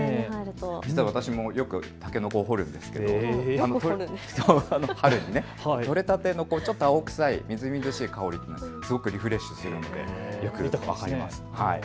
実は私もよく、たけのこを掘るんですけれども春に、取れたての青臭いみずみずしい香り、すごくリフレッシュできます。